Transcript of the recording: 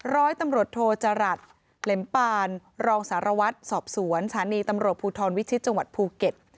ร้อยตำรวจโทจรัสเหล็มปานรองสารวัตรสอบสวนสถานีตำรวจภูทรวิชิตจังหวัดภูเก็ต